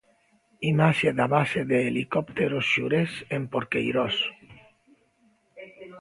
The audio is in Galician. Imaxe da base de helicópteros Xurés en Porqueirós.